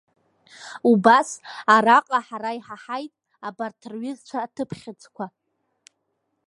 Убас араҟа ҳара иҳаҳаит абарҭ рҩызцәа аҭыԥ хьыӡқәа…